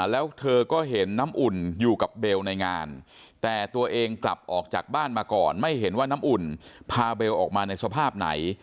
แล้วเธอก็เห็นน้ำอุ่นอยู่กับเบลในงานแต่ตัวเองกลับออกจากบ้านมาก่อนไม่เห็นว่าน้ำอุ่นพาเบลออกมาในสภาพไหน